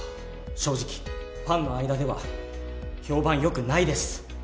正直ファンの間では評判良くないです。